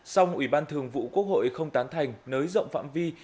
song ủy ban thường vụ quốc hội không tán thành nới rộng phạm vi